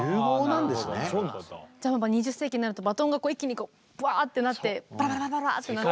じゃあ２０世紀になるとバトンが一気にこうブワッてなってバラバラバラバラってなって。